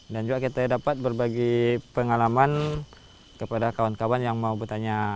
dan juga kita dapat berbagi pengalaman kepada kawan kawan yang mau bertanya